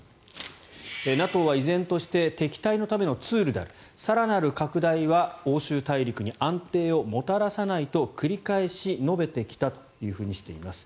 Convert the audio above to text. ＮＡＴＯは依然として敵対のためのツールである更なる拡大は欧州大陸に安定をもたらさないと繰り返し述べてきたとしています。